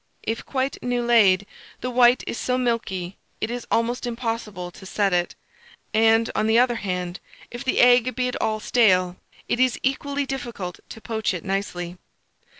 If quite new laid, the white is so milky it is almost impossible to set it; and, on the other hand, if the egg be at all stale, it is equally difficult to poach it nicely.